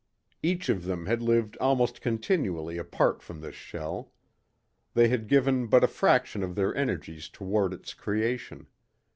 Each of them had lived almost continually apart from this shell. They had given but a fraction of their energies toward its creation.